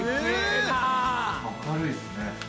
明るいっすね。